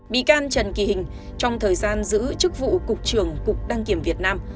bị can trần kỳ hình trong thời gian giữ chức vụ cục trưởng cục đăng kiểm việt nam